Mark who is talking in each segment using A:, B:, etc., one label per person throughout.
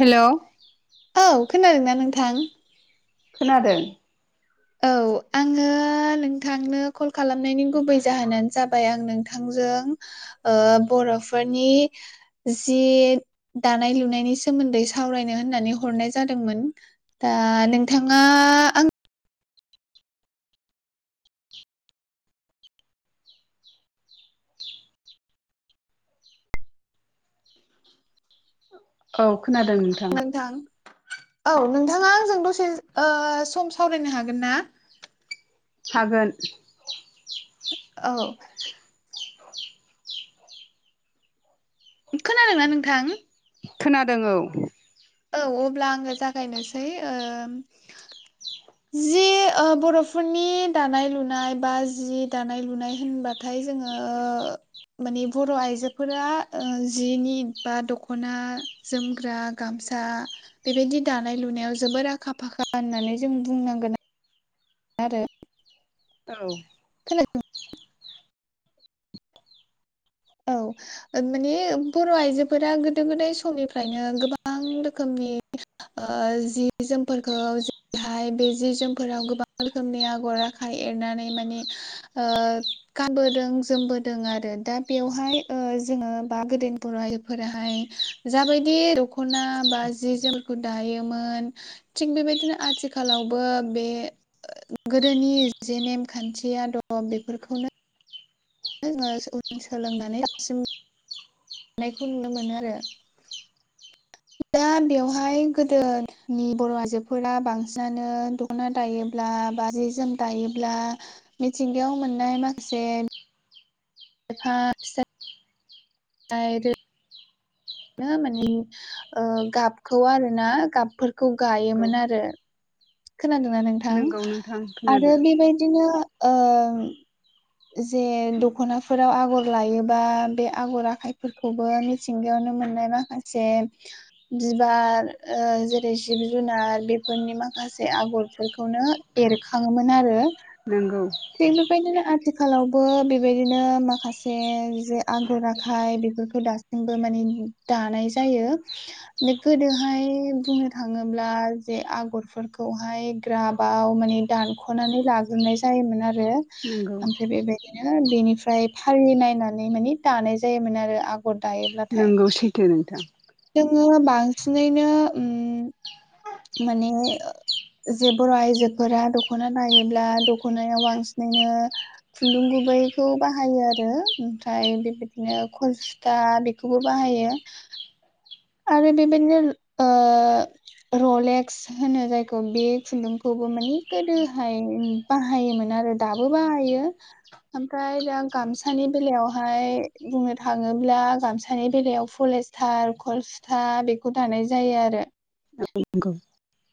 A: Hello
B: औ खोनादोंना नोंथां
A: खोनादों
B: औ आंङो नोंथांनो कल खालामनायनि गुबै जाहोनानो जाबाय आं नोंथांजों बर'फोरनि जि दानाय लुनायनि सोमोन्दै सावरायनो होननानै हरनाय जादोंमोन। दा नोंथांङा आं
A: औ खोनादों नोंथां
B: नोंथां औ नोंथांङा आंजों दसे सम सावरायनो हागोन ना
A: हागोन
B: औ खोनादों ना नोंथां
A: खोनादों औ
B: औ अब्ला आङो जागायनोसै ओ जि ओ बर'फोरनि दानाय लुनाय बा जि दानाय लुनाय होनबा थाय जोङो माने बर' आइजोफोरा ओ जिनि बा दख'ना जोमग्रा गामसा फिसा बेबायदि दानाय लुनायाव जोबोर आखा फाखा होननानै जों बुंनांगोन आरो
A: औ
B: [unintelligible] औ माने बर' आइजोफोरा गोदो गोदाय समनिफ्रायनो गोबां रोखोमनि ओ जि जोमफोरखौ बेहाय बे जि जोमफोराव गोबां रोखोमनि आगर आखाय एरनानै माने ओ गानबोदों जोमबोदों आरो दा बेवहाय ओ जोङो बा गोदोनि बर'फोराहाय जाबायदि दखना बा जि जोमफोरखौ दायोमोन थिग बेबायदिनो आथिखालावबो बे गोदोनि जे नेम खान्थिया दङ बेफोरखौनो जोङो उन सोलोंनानै दासिम [unintelligible] नायखौ नुनो मोनो आरो दा बेवहाय गोदोनि बर' आइजोफोरा बांसिनानो दख'ना दायोब्ला बा जि जोम दायोब्ला मिथिंगायाव मोननाय माखासे फा [unintelligible] [unintelligible] बि माने ओ गाबखौ आरो ना गाबफोरखौ गायोमोन आरो खोनादोंना नोंथां
A: नंगौ नोंथां
B: आरो
A: खोनादों
B: बेबायदिनो ओ जे दख'नाफोराव आगर लायोबा बे आगर आखाइफोरखौबो मिथिंगायावनो मोननायबा [unintelligible] बिबार ओ जेरै जिब जुनार बेफोरनि माखासे आगरफोरखौनो एरखाङोमोन आरो
A: नोंगौ
B: थिग बेबायदिनो आथिखालावबो बेबायदिनो माखासे जे आगर आखाय बेफोरखौ दासि बो माने दानाय जायो गोदोहाय बुंनो थाङोब्ला जे आगरफोरखौहाय ग्राबाव माने दानख'नानै लाग्रोनाय जायोमोन आरो
A: नंगौ
B: ओमफ्राय बेबायदिनो बेनिफ्राय फारि नायनानै माने दानाय जायोमोन आरो आ गर दायोब्लाथाय
A: दे नोंथां
B: जोङो बांसिनैनो उम माने जे बर' आइजोफोरा दख'ना दायोब्ला दख'नायाव बांसिनैनो खुन्दुं गुबैखौ बाहायो आरो ओमफ्राय बेबायदिनो खल दा बेखौबो बाहायो। आरो बेबायदिनो ओ रलेक्स होनो जायखौ बे खुन्दुंखौबो माने गोदोहाय बाहायोमोन आरो दाबो बाहायो ओमफ्राय दा गामसानि बेलायावहाय बुंनो थाङोब्ला गामसानि बेलायाव पलेज थार खलसुथा बेखौ थानाय जायो आरो
A: नंगौ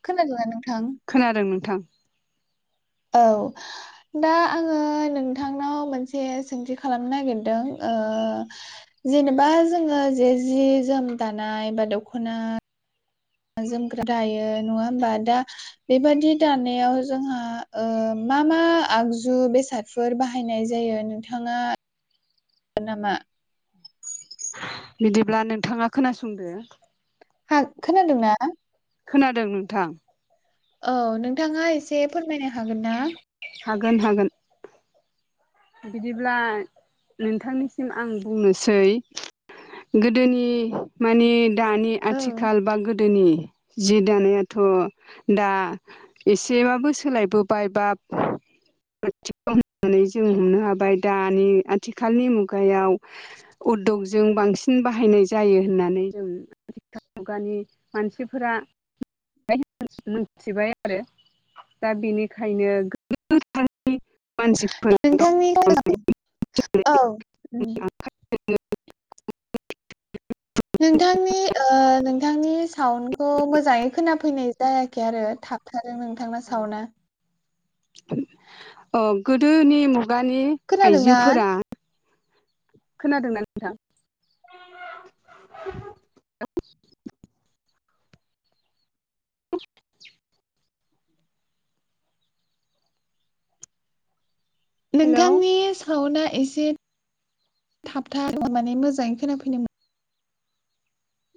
B: खोनादोंना नोंथां?
A: खोनादों नोंथां।
B: औ। दा आङो नोंथांनाव मोनसे सोंथि खालामनो नागिरदों ओ। जेनेबा जोङो जे जि जोम दानाय बा दख'ना जोमग्रा दायो नङा होमबा दा? बेबि दानायाव जोंहा मा मा आगजु बेसाद फोर बाहायनाय जायो नोंथाङा। नामा? [inaudible]
A: बिदिब्ला नोंथाङा खोनासंदो।
B: हा खोनादों ना।
A: खोनादों नोंथां।
B: औ नोंथाङा एसे फोरमायनो हागोन ना?
A: हागोन हागोन। बिदिब्ला नोंथांनिसिम आं बुंनोसै गोदोनि मानि दानि
B: औ
A: आथिखाल बा गोदोनि जि दानायाथ' दा एसेबाबो सोलायबो बाय बाब खाथि होननानै [unintelligible] जों हमनो हाबाय दानि आथिखालनि मुगायाव उद्दगजों बांसिन बाहायनाय जायो होननानै जों गोदान [unintelligible] मुगानि मानसिफोरा मोनथिबाय आरो। दा बेनिखायनो गोबां [unintelligible] मानसिफोरा दं
B: नोंथांनि
A: [unintelligible]
B: औ उम। नोंथांनि नोंथांनि साउन्डखौ मोजाङै खोनाफैनाय जायाखै आरो थाब थादों नोंथांना सावना
A: अ गोदोनि मुगानि
B: खोनादोंना?
A: आइजोफोरा खोनादों ना।
B: [inaudible]
A: [inaudible] हेलौ
B: नोंथांनि साउन्डआ एसे थाब माने मोजाङै खोनाफैनोमोन।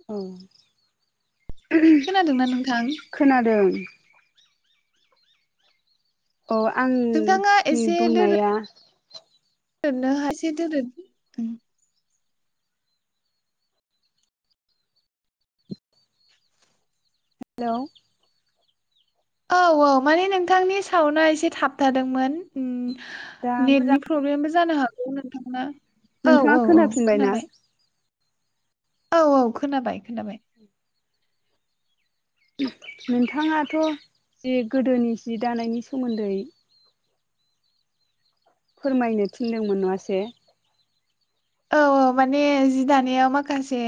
A: औ।
B: खोनादोंना नोंथां।
A: खोनादों। अ
B: नोंथाङा
A: आंनि बुंनाया
B: दोरोनो एसे दोरोद
A: हेलौ।
B: औ औ माने नोंथांनि साावनाआ एसे थाबथादोंमोन।
A: दा मोजां
B: नेटनि प्रब्लेमबो जानो हागौ नोंथां औ
A: नोंथाङा
B: औ औ
A: खोनाफिनबायना
B: खोनाबाय। औ औ खोनाबाय खोनाबाय।
A: नोंथाङाथ' जे गोदोनि जि दानायनि सोमोन्दै। फोरमायनो थिनदोंमोन नङासै?
B: औ औ माने जि दानायाव माखासे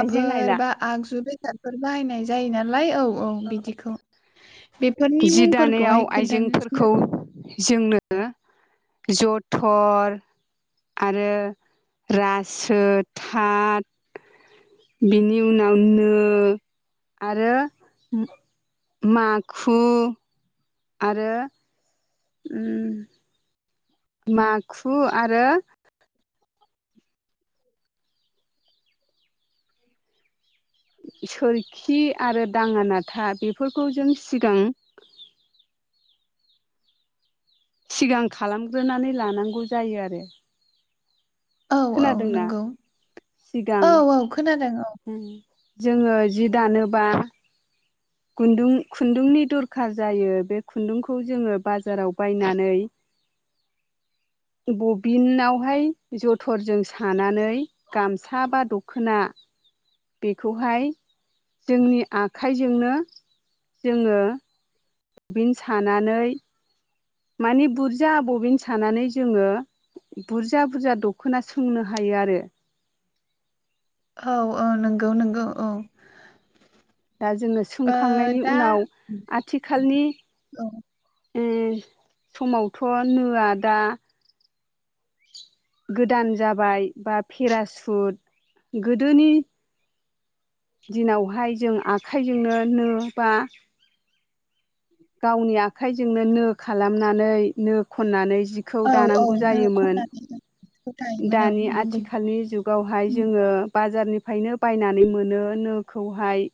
A: आइजें आइला
B: बा आगजु बेसादफोर बाहायनाय जायो नालाय औ औ बिदिखौ बेफोरनि
A: जि दानायाव
B: मुंफोरखौहाय खोन्थानो
A: आइजेंफोरखौ
B: थिनदों
A: जोंनो जथर, आरो रासो, थाथ बिनि उनाव नो आरो माखु, आरो उम। माखु आरो
B: [inaudible]
A: सोरखि आरो दाङा नाथा बेफोरखौ जों सिगां सिगां खालामग्रोनानै लानांगौ जायो आरो
B: औ औ
A: खोनादोंना
B: नंगौ
A: सिगां
B: औ औ खोनादों औ
A: उम जोङो जि दानोब्ला
B: [inaudible]
A: खुन्दुं खुन्दुंनि दरखार जायो बे खुन्दुंखौ जोङो बाजाराव बायनानै
B: [inaudible]
A: बबिनावहाय जथरजों सानानै गामसा बा दख'ना बेखौहाय जोंनि आखाइजोंनो जोङो बिन सानानै माने बुरजा बबिन सानानै जोङो बुरजा बुरजा दख'ना सोंनो हायो आरो
B: औ औ नंगौ नंगौ औ
A: दा जोङो
B: ओ
A: सोंखांनायनि
B: दा
A: उनाव आथिखालनि
B: औ
A: उम समावथ नोया दा गोदान जाबाय बा पेरासुट गोदोनि दिनावहाय जों आखाइजोंनो नो बा गावनि आखाइजोंनो नो खालामनानै नो खननानै जिखौ
B: औ औ
A: दानांगौ
B: नो
A: जायोमोन
B: खननानै बेखौ दायोमोन औ
A: दानि
B: नंगौ
A: आथिखालनि जुग गावहाय जोङो बाजारनिफ्रायनो बायनानै मोनो नोखौहाय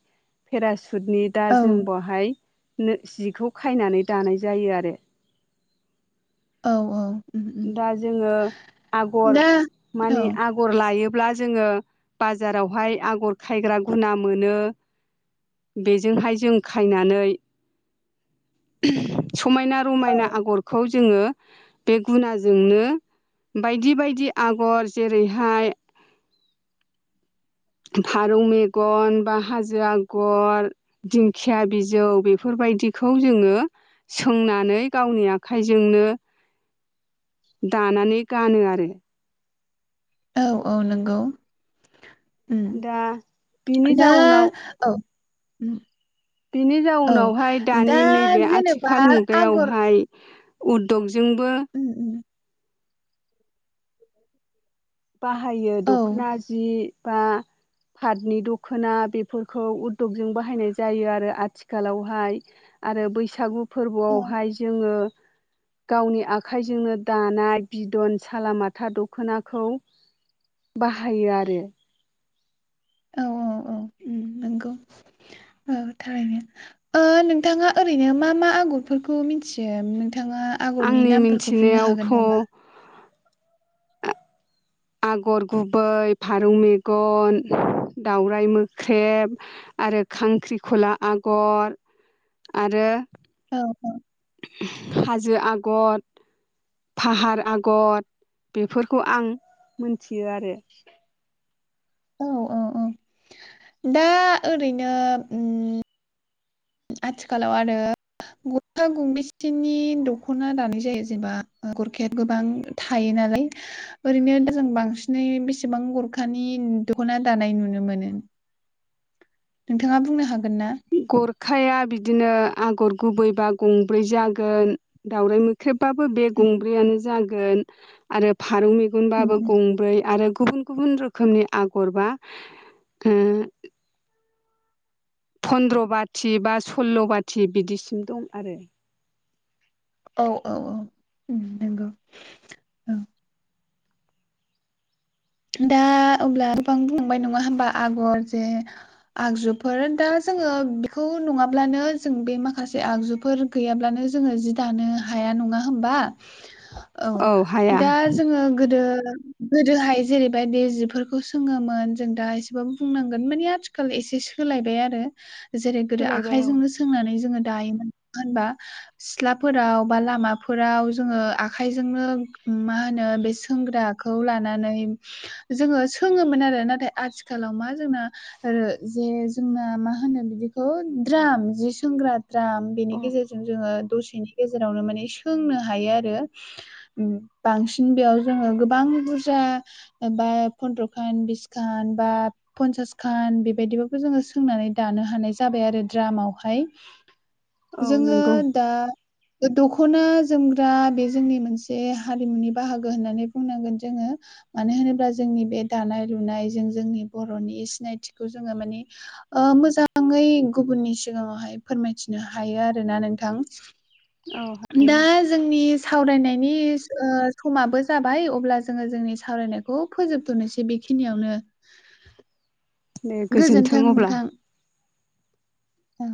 A: पेरासुटनि दा
B: औ
A: जों बहाय नो जिखौ खायनानै दानाय जायो आरो
B: औ औ उम उम
A: दा जोङो आगर
B: दा औ
A: मानि आ गर लायोब्ला जोङो बाजारावहाय आगर खायग्रा गुना मोनो बेजोंहाय जों खायनानै समायना रमायना आगरखौ जोङो बे गुनाजोंनो बायदि बायदि आगर जेरैहाय फारौ मेगन बा हाजो आगर दिंखिया बिजौ बेफोरबायदिखौ जोङो सोंनानै गावनि आखाइजोंनो दानानै गानो आरो
B: औ औ नंगौ उम
A: दा बिनि
B: दा
A: जाउनाव
B: औ उम
A: बेनि
B: औ
A: जाउनावहाय
B: दा
A: दानि नैबे
B: जेनेबा
A: आथिखाल
B: आगर
A: मुगायावहाय उद्गजोंबो
B: उम उम
A: बाहायो
B: औ
A: दख'ना जि बा पाटनि दख'ना बेफोरखौ उद्गजों बाहायनाय जायो आरो आथिखालावहाय आरो बैसागु
B: औ
A: फोरबोआवहाय जोङो गावनि आखाइजोंनो दानाय बिदन सालामाथा दखनाखौ बाहायो आरो
B: औ औ औ उम नंगौ औ थारैनो ओ नोंथाङा ओरैनो मा मा आगरफोरखौ मिथियो नोंथाङा आगरनि
A: आंनि
B: नामफोरखौ बुंनो हागोन
A: मिथिनायावथ'
B: नामा?
A: आगर गुबै फारौ मेगन दावराइ मोख्रेब आरो खांख्रिखला आगर आरो
B: औ औ
A: हाजो आगद फाहार आगर बेफोरखौ आं मोनथियो आरो
B: औ औ औ दा ओरैनो उम आथिखालाव आरो गरखा गंबेसेनि दख'ना दानाय जायो जेनेबा ओ गरखाया गोबां थायो नालाय ओरैनो दा जों बांसिनै बेसेबां गरखानि दख'ना दानाय नुनो मोनो नोंथाङा बुंनो हागोन ना?
A: गरखाया बिदिनो आगर गुबैबा गंब्रै जागोन दावराइ मोख - ख्रेबबाबो बे गंब्रैयानो जागोन आरो फारौ मे -
B: उम
A: गनबाबो
B: उम
A: गंब्रै आरो गुबुन गुबुन रोखोमनि आगरबा ओ पन्द्र' बाथि बा सल्ल' बाथि बिदिसिम दं आरो
B: औ औ औ उम नोंगौ। दा अब्ला गोबां बुंलाबाय नङा होमबा आगर जे - आगजुफोर दा जोङो बेखौ नङाब्लानो जों बे माखासे आगजुफोर गैयाब्लानो जोङो जि दानो हाया नङा होमबा औ दा जोङो गोदो गोदोहाय जेरैबायदि जिफोरखौ सोङोमोन जों दा एसेबाबो बुंनांगोन मानि आथिखालाव एसे सोलायबाय आरो जेरै गोदो
A: सोलायबाय औ
B: आखाइजोंनो सोंनानै जोङो दायोमोन नङा होनबा सिथ्लाफोराव बा लामाफोराव जोङो आखाइजोंनो उम मा होनो बे सोंग्रा खौ लानानै जोङो सोङोमोन आरो नाथाय आथिखालाव मा जोंना ओ जे जोंना मा होनो बिदिखौ द्राम जि सोंग्रा द्राम बेनि
A: औ
B: गेजेरजों जोङो दसेनि गेजेरावनो माने सोंनो हायो आरो उम बांसिन बेयाव जोङो गोबां बुरजा बा पन्द्रखान बिसखान बा पन्सासखान बेबायदिबाबो जोङो सोंनानै दानो हानाय जाबाय आरो द्रामावहाय
A: औ
B: जोङो
A: नंगौ
B: दा ओ दख'ना जोमग्रा बे जोंनि मोनसे हारिमुनि बाहागो होननानै बुंनांगोन जोङो मानो होनोब्ला जोंनि बे दानाय लुनाय जों जोंनि बर'नि सिनायथिखौ जोङो माने ओ मोजाङै गुबुननि सिगाङावहाय फोरमायथिनो हायो आरोना नोंथां
A: औ हायो
B: दा जोंनि सावरायनायनि ओ समाबो जाबाय अब्ला जोङो जोंनि सावरायनायखौ फोजोबथ'नोसै बेखिनियावनो
A: दे गोजोन्थों अब्ला
B: ओं